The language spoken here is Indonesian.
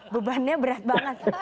bebannya berat banget